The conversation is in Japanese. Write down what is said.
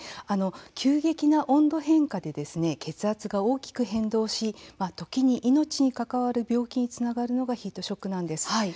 急激な温度変化で血圧が大きく変動し、時に命に関わる病気につながるのがヒートショックなんです。